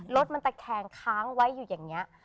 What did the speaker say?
รถมันตะแคงค้างไว้อยู่อย่างนี้